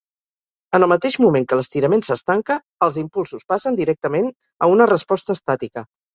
En el mateix moment que l'estirament s'estanca, els impulsos passen directament a una resposta estàtica.